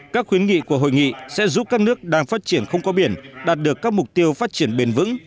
các khuyến nghị của hội nghị sẽ giúp các nước đang phát triển không có biển đạt được các mục tiêu phát triển bền vững